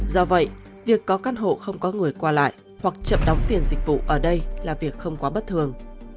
do vậy việc có căn hộ không có người qua lại hoặc chậm đóng tiền dịch vụ ở đây là việc không quá bất thường